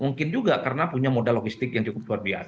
mungkin juga karena punya modal logistik yang cukup luar biasa